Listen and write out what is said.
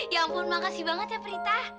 ya ampun makasih banget ya prita